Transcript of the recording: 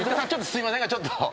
すいませんがちょっと。